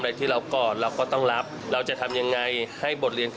ให้มันเป็นครั้งเดียว